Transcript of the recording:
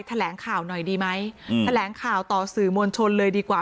แถลงข่าวหน่อยดีไหมแถลงข่าวต่อสื่อมวลชนเลยดีกว่า